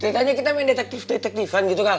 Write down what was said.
ceritanya kita main detektif detektifan gitu kan